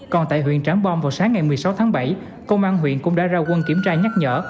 còn tại huyện trảng bom vào sáng ngày một mươi sáu tháng bảy công an huyện cũng đã ra quân kiểm tra nhắc nhở